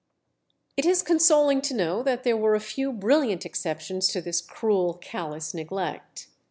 It is consoling to know that there were a few brilliant exceptions to this cruel, callous neglect.